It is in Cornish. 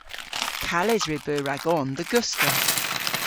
Kales re beu ragon dhe goska.